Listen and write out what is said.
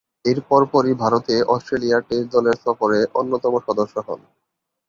এর পরপরই ভারতে অস্ট্রেলিয়ার টেস্ট দলের সফরে অন্যতম সদস্য হন।